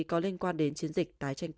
có liên quan đến chiến dịch tái tranh cử